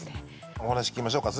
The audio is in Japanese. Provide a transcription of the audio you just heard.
お話聞きましょうか。